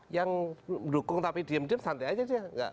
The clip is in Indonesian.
yang mendukung tapi diam diam santai aja aja